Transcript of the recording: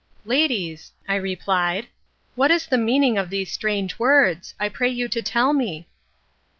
"Ladies," I replied, "what is the meaning of these strange words I pray you to tell me?"